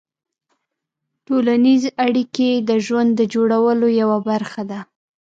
ټولنیز اړیکې د ژوند د جوړولو یوه برخه ده.